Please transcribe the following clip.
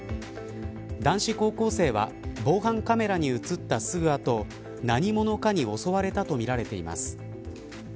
男子高校生は防犯カメラに映ったすぐ後何者かに襲われたとみられています。